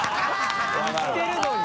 襦行ってるのに。